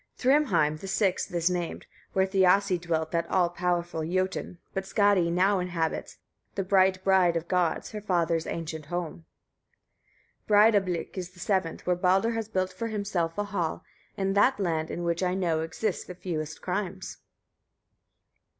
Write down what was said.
11. Thrymheim the sixth is named, where Thiassi dwelt that all powerful Jötun; but Skadi now inhabits, the bright bride of gods, her father's ancient home. 12. Breidablik is the seventh, where Baldr has built for himself a hall, in that land, in which I know exists the fewest crimes.